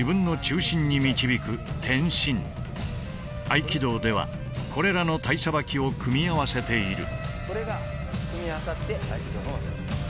合気道ではこれらの体捌きを組み合わせている。